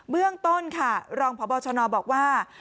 เรื่องต้นค่ะรองพบชนบอกว่า